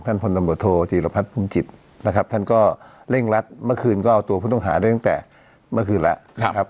พลตำรวจโทจีรพัฒน์ภูมิจิตนะครับท่านก็เร่งรัดเมื่อคืนก็เอาตัวผู้ต้องหาได้ตั้งแต่เมื่อคืนแล้วนะครับ